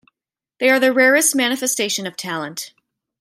They are the rarest manifestation of Talent.